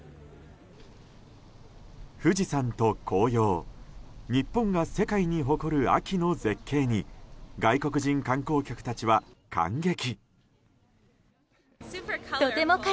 富士山と紅葉日本が世界に誇る秋の絶景に外国人観光客たちは感激。